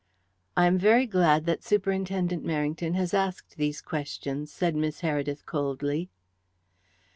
"I am very glad that Superintendent Merrington has asked these questions," said Miss Heredith coldly.